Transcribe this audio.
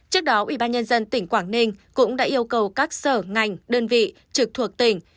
trước đó ủy ban nhân dân tỉnh quảng ninh cũng đã yêu cầu các sở ngành đơn vị trực thuộc tỉnh